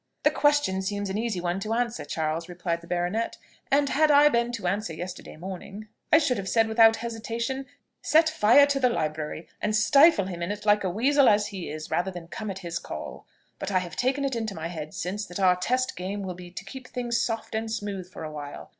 "The question seems an easy one to answer, Charles?" replied the baronet; "and had I been to answer yesterday morning, I should have said without hesitation, set fire to the library, and stifle him in it like a weazel as he is, rather than come at his call. But I have taken it into my head since, that our test game will be to keep things soft and smooth for a while.